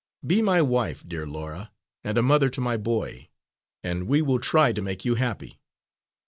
Be my wife, dear Laura, and a mother to my boy, and we will try to make you happy."